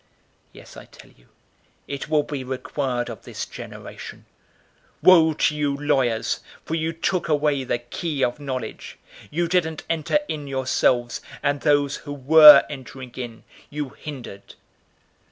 Yes, I tell you, it will be required of this generation. 011:052 Woe to you lawyers! For you took away the key of knowledge. You didn't enter in yourselves, and those who were entering in, you hindered."